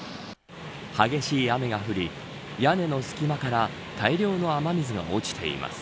激しい雨が降り屋根の隙間から大量の雨水が落ちています。